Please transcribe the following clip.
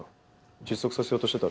窒息させようとしてたろ。